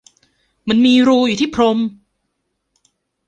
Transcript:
มันมีรูอยู่ที่พรม